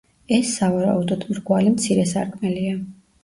ეს, სავარაუდოდ, მრგვალი მცირე სარკმელია.